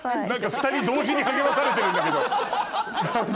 ２人同時に励まされてるんだけど何か。